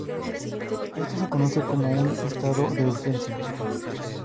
Esto se conoce como un estado de urgencia.